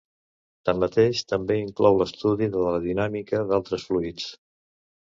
Tanmateix, també inclou l'estudi de la dinàmica d'altres fluids.